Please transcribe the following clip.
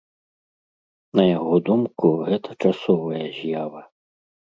На яго думку, гэта часовая з'ява.